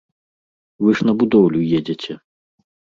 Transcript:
Вы ж на будоўлю едзеце.